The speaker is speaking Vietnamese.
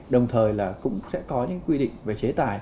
đồng thời là cũng sẽ có những quy định về cấm đối với những hành vi này